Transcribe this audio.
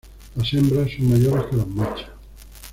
Las hembras son mayores que los machos.